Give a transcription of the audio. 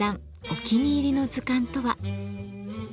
お気に入りの図鑑とは？